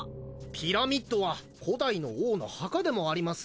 ピラミッドは古代の王の墓でもあります